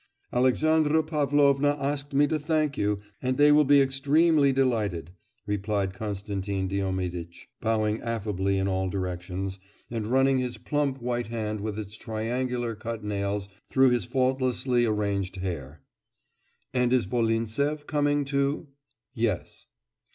'Alexandra Pavlovna asked me to thank you, and they will be extremely delighted,' replied Konstantin Diomiditch, bowing affably in all directions, and running his plump white hand with its triangular cut nails through his faultlessly arranged hair. 'And is Volintsev coming too?' 'Yes.